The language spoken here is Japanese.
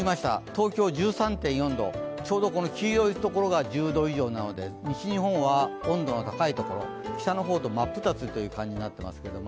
東京は１３．４度、ちょうど黄色いところが１０度以上なので西日本は温度の高いところ、北の方と真っ二つという形ですね。